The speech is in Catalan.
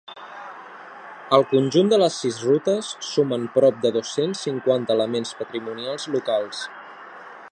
El conjunt de les sis rutes sumen prop de dos-cents cinquanta elements patrimonials locals.